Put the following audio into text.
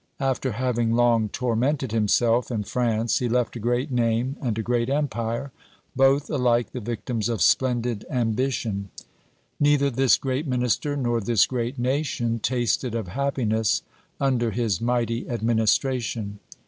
After having long tormented himself and France, he left a great name and a great empire both alike the victims of splendid ambition! Neither this great minister nor this great nation tasted of happiness under his mighty administration.